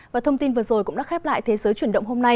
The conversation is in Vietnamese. và thông tin vừa rồi cũng đã khép lại thế giới chuyển động hôm nay